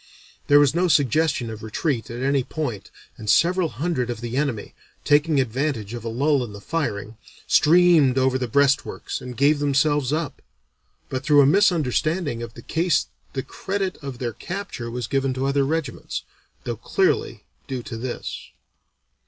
There was no suggestion of retreat at any point and several hundred of the enemy, taking advantage of a lull in the firing, streamed over the breastworks and gave themselves up, but through a misunderstanding of the case the credit of their capture was given to other regiments, though clearly due to this.